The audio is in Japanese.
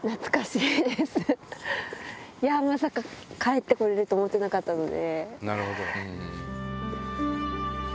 いや、まさか帰ってこれると思ってなかったので。